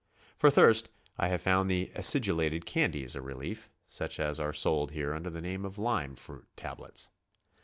For thirst I have found the acidulated candies a relief, such as are sold here undei the name of lime fruit tablets.